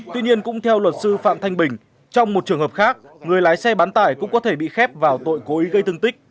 tuy nhiên cũng theo luật sư phạm thanh bình trong một trường hợp khác người lái xe bán tải cũng có thể bị khép vào tội cố ý gây thương tích